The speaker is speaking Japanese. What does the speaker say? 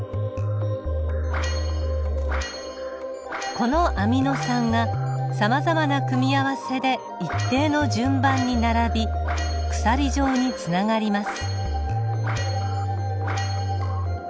このアミノ酸がさまざまな組み合わせで一定の順番に並び鎖状につながります。